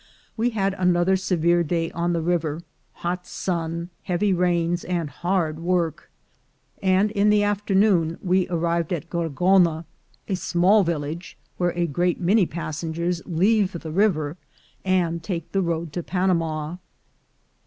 We had another severe day on the river — ^hot sun, heavy rains, and hard work; and in the afternoon we arrived at Gorgona, a small village, where a great many passengers leave the river and take the road to Panama.